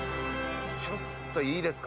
ちょっといいですか？